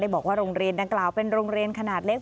บอกว่าโรงเรียนดังกล่าวเป็นโรงเรียนขนาดเล็ก